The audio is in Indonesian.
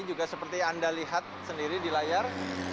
juga seperti anda lihat sendiri di layar